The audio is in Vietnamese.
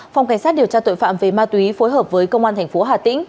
phòng cảnh sát điều tra tội phạm về ma túy phối hợp với công an tp hà tĩnh